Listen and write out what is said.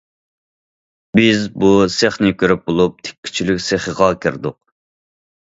بىز بۇ سېخنى كۆرۈپ بولۇپ تىككۈچىلىك سېخىغا كىردۇق.